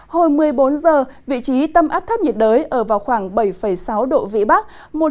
hồi một mươi bốn giờ vị trí tâm áp thấp nhiệt đới ở vào khoảng bảy sáu độ vĩ bắc